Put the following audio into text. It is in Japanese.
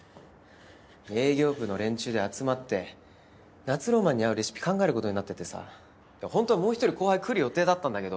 営業部の連中で集まって夏浪漫に合うレシピ考える事になっててさ本当はもう一人後輩来る予定だったんだけど。